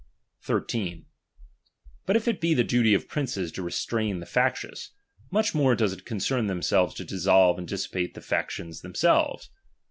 13. But if it be the duty of princes to restrain And to the factious, much more does it concern them to dissolve and dissipate the 'factions themselves.